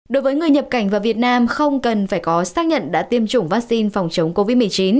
đối với người nhập cảnh vào việt nam không cần phải có xác nhận đã tiêm chủng vaccine phòng chống covid một mươi chín